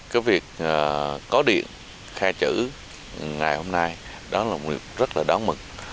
cái việc có điện khai chữ ngày hôm nay đó là một việc rất là đáng mừng